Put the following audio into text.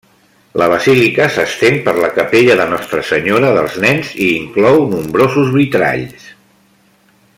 La basílica s'estén per la capella de Nostre Senyora dels nens i inclou nombrosos vitralls.